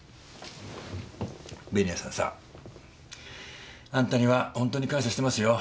紅谷さんさあんたにはほんとに感謝してますよ。